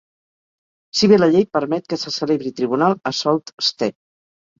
Si bé la llei permet que se celebri tribunal a Sault Ste.